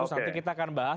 oke nanti kita akan bahas